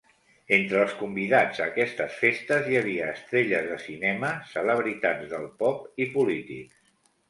Entre els convidats a aquestes festes hi havia estrelles de cinema, celebritats del pop i polítics.